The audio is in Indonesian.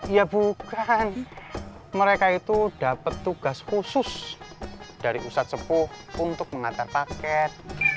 ya bukan mereka itu dapat tugas khusus dari pusat sepuh untuk mengantar paket